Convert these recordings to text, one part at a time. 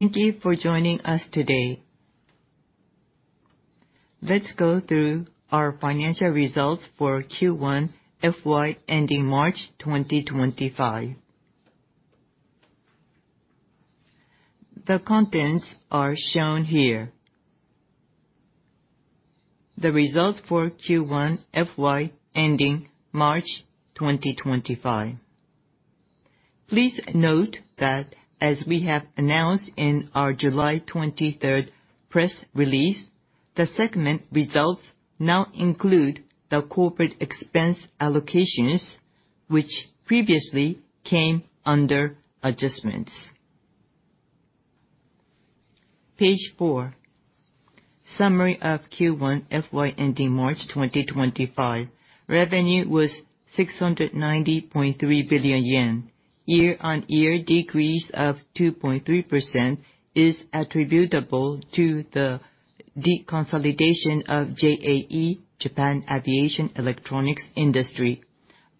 Thank you for joining us today. Let's go through our financial results for Q1 FY, ending March 2025. The contents are shown here. The results for Q1 FY, ending March 2025. Please note that as we have announced in our July 23rd press release, the segment results now include the corporate expense allocations, which previously came under adjustments. Page 4, summary of Q1 FY, ending March 2025. Revenue was 690.3 billion yen. Year-on-year decrease of 2.3% is attributable to the deconsolidation of JAE, Japan Aviation Electronics Industry.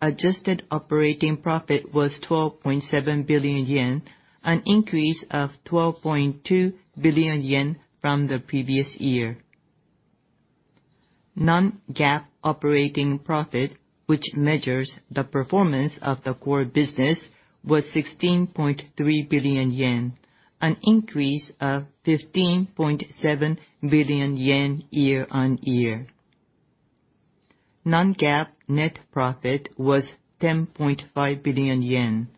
Adjusted operating profit was 12.7 billion yen, an increase of 12.2 billion yen from the previous year. Non-GAAP operating profit, which measures the performance of the core business, was 16.3 billion yen, an increase of 15.7 billion yen year-on-year. Non-GAAP net profit was 10.5 billion yen,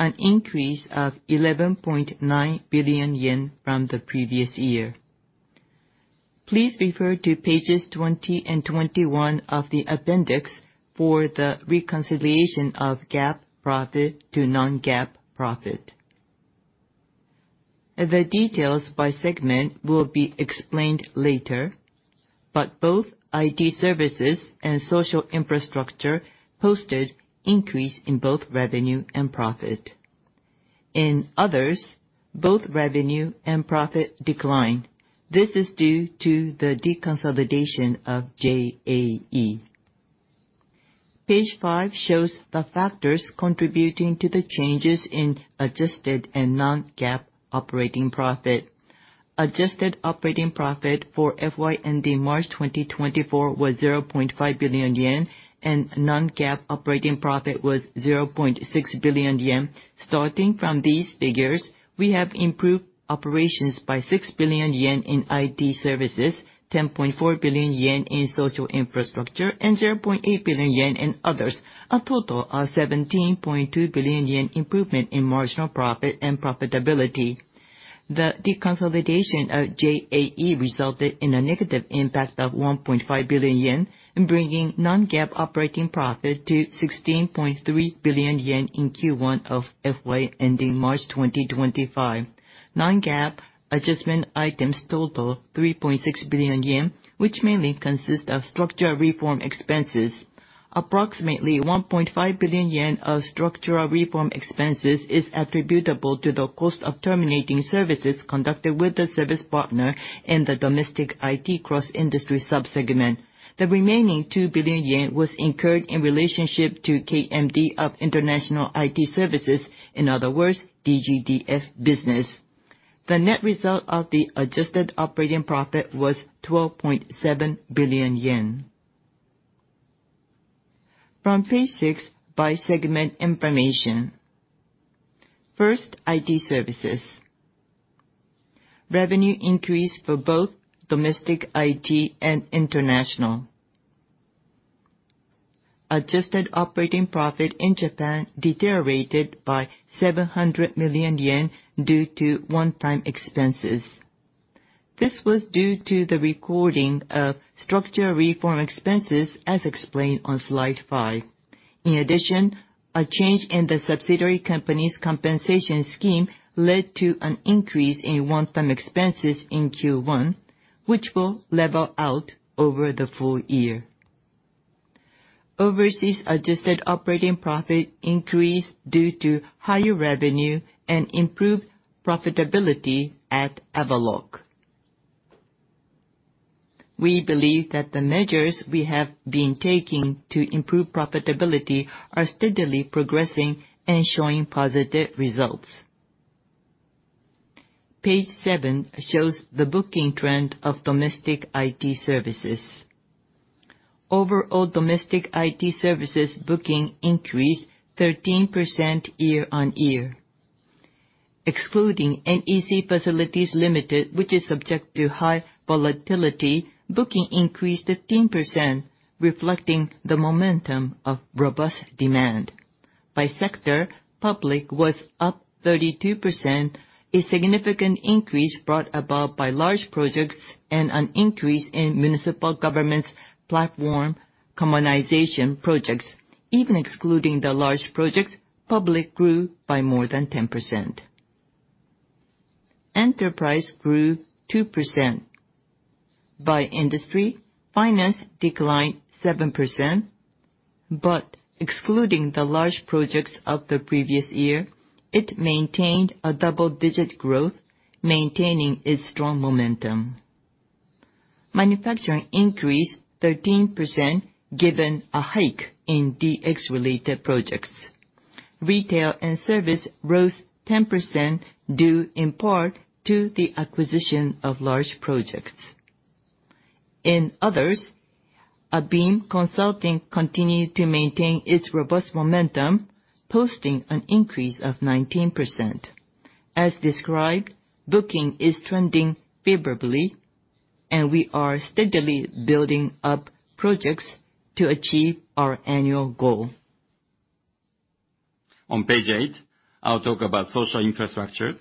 an increase of 11.9 billion yen from the previous year. Please refer to pages 20 and 21 of the Appendix for the reconciliation of GAAP profit to non-GAAP profit. The details by segment will be explained later, but both IT Services and Social Infrastructure posted increase in both revenue and profit. In others, both revenue and profit declined. This is due to the deconsolidation of JAE. Page 5 shows the factors contributing to the changes in adjusted and non-GAAP operating profit. Adjusted operating profit for FY, ending March 2024, was 0.5 billion yen, and non-GAAP operating profit was 0.6 billion yen. Starting from these figures, we have improved operations by 6 billion yen in IT services, 10.4 billion yen in Social Infrastructure, and 0.8 billion yen in others, a total of 17.2 billion yen improvement in marginal profit and profitability. The deconsolidation of JAE resulted in a negative impact of 1.5 billion yen, bringing non-GAAP operating profit to 16.3 billion yen in Q1 of FY ending March 2025. Non-GAAP adjustment items total 3.6 billion yen, which mainly consist of structural reform expenses. Approximately 1.5 billion yen of structural reform expenses is attributable to the cost of terminating services conducted with the service partner in the domestic IT cross-industry subsegment. The remaining 2 billion yen was incurred in relationship to KMD of international IT services, in other words, DGDF business. The net result of the adjusted operating profit was 12.7 billion yen. From page 6, by segment information. First, IT services. Revenue increased for both domestic IT and international. Adjusted operating profit in Japan deteriorated by 700 million yen due to one-time expenses. This was due to the recording of structural reform expenses, as explained on slide 5. In addition, a change in the subsidiary company's compensation scheme led to an increase in one-time expenses in Q1, which will level out over the full year. Overseas adjusted operating profit increased due to higher revenue and improved profitability at Avaloq. We believe that the measures we have been taking to improve profitability are steadily progressing and showing positive results. Page 7 shows the booking trend of domestic IT services. Overall domestic IT services booking increased 13% year-on-year. Excluding NEC Facilities Limited, which is subject to high volatility, booking increased 15%, reflecting the momentum of robust demand. By sector, public was up 32%, a significant increase brought about by large projects and an increase in municipal governments' platform commonization projects. Even excluding the large projects, public grew by more than 10%. Enterprise grew 2%. By industry, Finance declined 7%, but excluding the large projects of the previous year, it maintained a double-digit growth, maintaining its strong momentum. ... Manufacturing increased 13%, given a hike in DX-related projects. Retail and service rose 10%, due in part to the acquisition of large projects. In others, ABeam Consulting continued to maintain its robust momentum, posting an increase of 19%. As described, booking is trending favorably, and we are steadily building up projects to achieve our annual goal. On page 8, I'll talk about Social Infrastructure.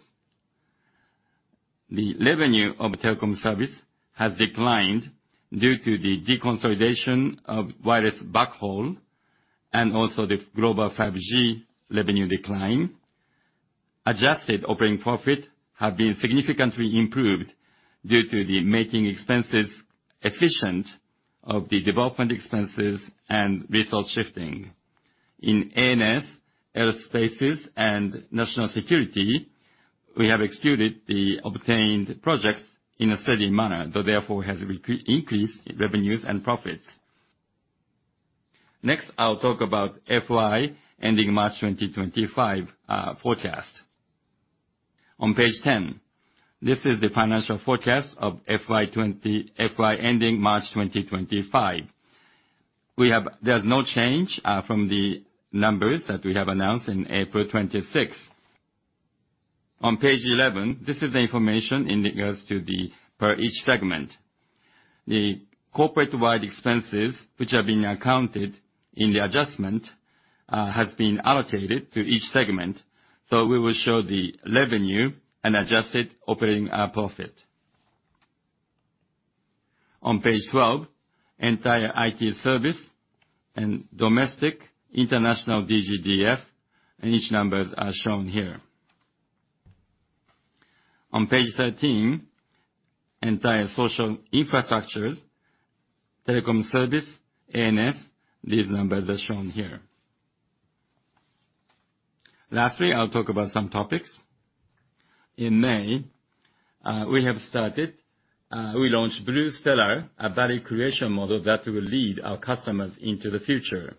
The revenue of Telecom Services has declined due to the deconsolidation of wireless backhaul and also the global 5G revenue decline. Adjusted operating profit have been significantly improved due to the making expenses efficient of the development expenses and resource shifting. In ANS, Aerospace, and National Security, we have executed the obtained projects in a steady manner, though therefore, has increased revenues and profits. Next, I'll talk about FY ending March 2025 forecast. On page 10, this is the financial forecast of FY ending March 2025. We have. There's no change from the numbers that we have announced in April 26th. On page 11, this is the information in regards to the per each segment. The corporate-wide expenses, which are being accounted in the adjustment, has been allocated to each segment, so we will show the revenue and adjusted operating profit. On page 12, entire IT Service and Domestic, International DGDF, and each numbers are shown here. On page 13, entire Social Infrastructure, Telecom Services, ANS, these numbers are shown here. Lastly, I'll talk about some topics. In May, we have started, we launched BluStellar, a value creation model that will lead our customers into the future.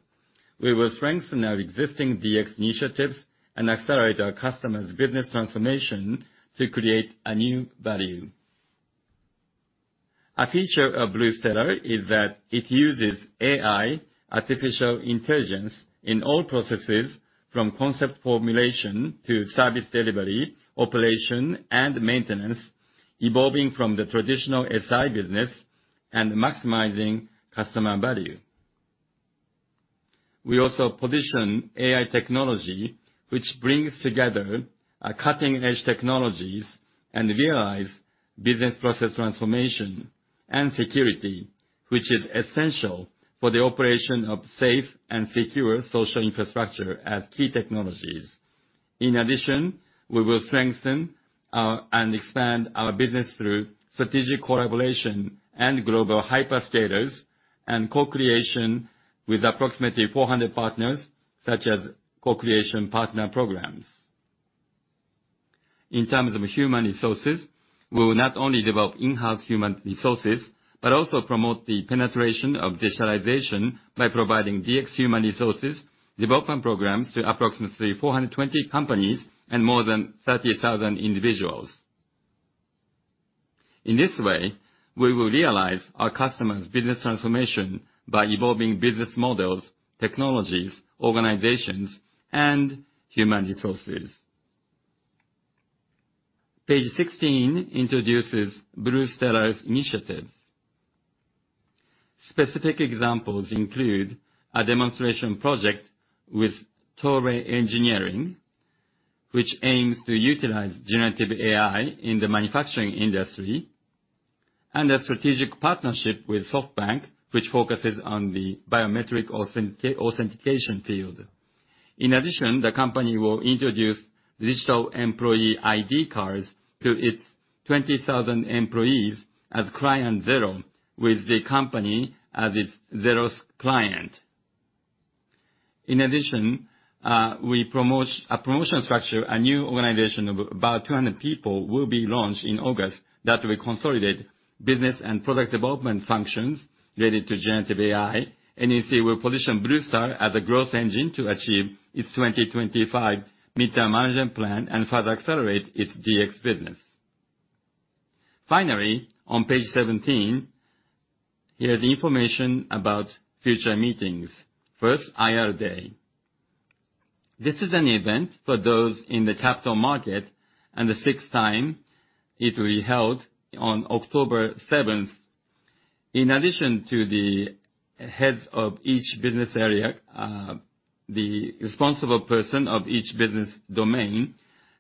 We will strengthen our existing DX initiatives and accelerate our customers' business transformation to create a new value. A feature of BluStellar is that it uses AI, artificial intelligence, in all processes, from concept formulation to service delivery, operation, and maintenance, evolving from the traditional SI business and maximizing customer value. We also position AI technology, which brings together cutting-edge technologies and realize business process transformation and security, which is essential for the operation of safe and secure Social Infrastructure as key technologies. In addition, we will strengthen and expand our business through strategic collaboration and global hyperscalers and co-creation with approximately 400 partners, such as co-creation partner programs. In terms of human resources, we will not only develop in-house human resources, but also promote the penetration of digitalization by providing DX human resources development programs to approximately 420 companies and more than 30,000 individuals. In this way, we will realize our customers' business transformation by evolving business models, technologies, organizations, and human resources. Page 16 introduces BluStellar's initiatives. Specific examples include a demonstration project with Toray Engineering, which aims to utilize generative AI in the manufacturing industry, and a strategic partnership with SoftBank, which focuses on the biometric authentication field. In addition, the company will introduce digital employee ID cards to its 20,000 employees as Client Zero, with the company as its zeroth client. In addition, we promote a promotion structure, a new organization of about 200 people, will be launched in August that will consolidate business and product development functions related to generative AI, and NEC will position BluStellar as a growth engine to achieve its 2025 Midterm Management Plan and further accelerate its DX business. Finally, on page 17, here, the information about future meetings. First, IR Day. This is an event for those in the capital market, and the sixth time it will be held on October 7. In addition to the heads of each business area, the responsible person of each business domain,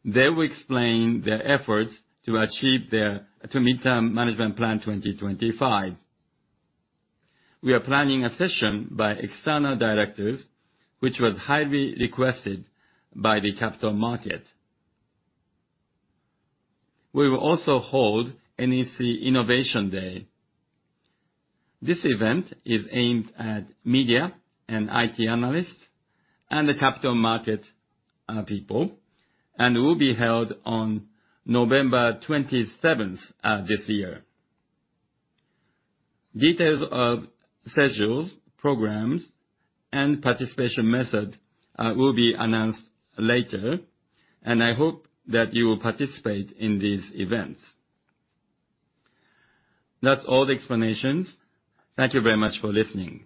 they will explain their efforts to achieve their 2025 Midterm Management Plan. We are planning a session by external directors, which was highly requested by the capital market. We will also hold NEC Innovation Day. This event is aimed at media and IT analysts, and the capital market people, and will be held on November twenty-seventh this year. Details of schedules, programs, and participation method will be announced later, and I hope that you will participate in these events. That's all the explanations. Thank you very much for listening.